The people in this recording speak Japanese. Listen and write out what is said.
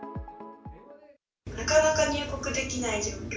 なかなか入国できない状況。